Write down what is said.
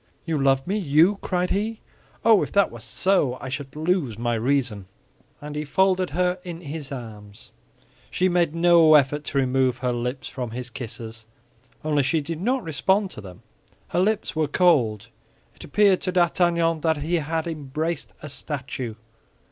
"You love me, you!" cried he. "Oh, if that were so, I should lose my reason!" And he folded her in his arms. She made no effort to remove her lips from his kisses; only she did not respond to them. Her lips were cold; it appeared to D'Artagnan that he had embraced a statue.